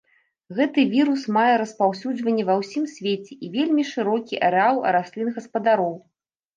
Гэты вірус мае распаўсюджанне ва ўсім свеце і вельмі шырокі арэал раслін-гаспадароў.